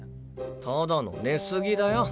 ただの寝過ぎだよ。